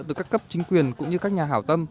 từ các cấp chính quyền cũng như các nhà hảo tâm